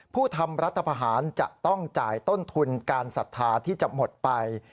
ผู้ทำรัฐพาหารจะต้องจ่ายต้นทุนการศรัทธาที่จะหมดไป